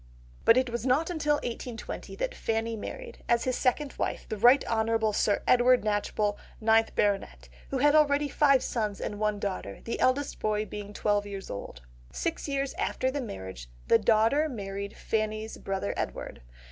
But it was not until 1820 that Fanny married, as his second wife, the Rt. Hon. Sir Edward Knatchbull, 9th Bt., who had already five sons and one daughter, the eldest boy being twelve years old. Six years after the marriage, the daughter married Fanny's brother Edward.